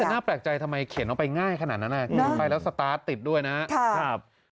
น่าแปลกใจทำไมเขียนออกไปง่ายขนาดนั้นเขียนไปแล้วสตาร์ทติดด้วยนะครับ